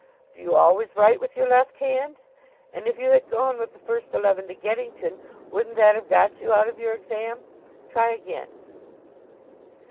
"Do you always write with your left hand? And if you had gone with the first eleven to Geddington, wouldn't that have got you out of your exam? Try again."